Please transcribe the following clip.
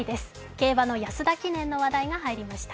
競馬の安田記念の話題が入りました。